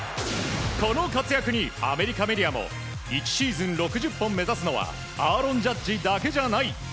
この活躍に、アメリカメディアも１シーズン６０本を目指すのはアーロン・ジャッジだけじゃない。